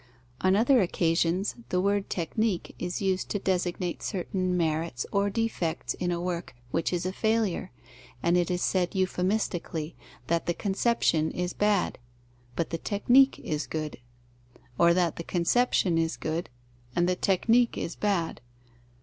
On other occasions, the word "technique" is used to designate certain merits or defects in a work which is a failure; and it is said, euphemistically, that the conception is bad, but the technique good, or that the conception is good, and the technique bad.